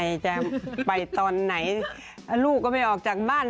จะไปตอนไหนลูกก็ไม่ออกจากบ้าน